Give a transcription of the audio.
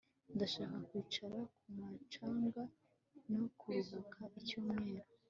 Ndashaka kwicara ku mucanga no kuruhuka icyumweru